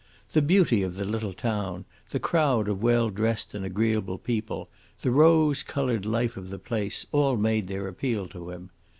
The beauty of the little town, the crowd of well dressed and agreeable people, the rose coloured life of the place, all made their appeal to him.